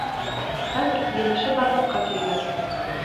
Хәҙер емеше барлыҡҡа килгән.